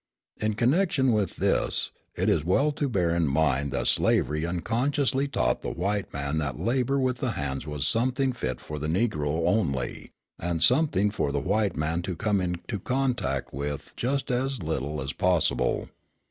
In connection with this, it is well to bear in mind that slavery unconsciously taught the white man that labour with the hands was something fit for the Negro only, and something for the white man to come into contact with just as little as possible.